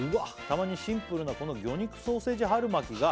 「たまにシンプルなこの魚肉ソーセージ春巻きが」